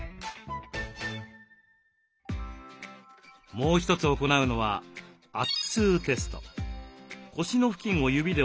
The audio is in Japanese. もう一つ行うのは「圧痛テスト」。